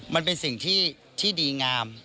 มันเป็นสิ่งที่ดีงาม